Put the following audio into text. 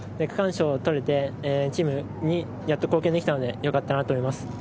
区間賞を取れてチームにやっと貢献できたのでよかったなと思います。